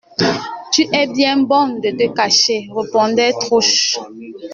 Tu es bien bonne de te cacher, répondait Trouche.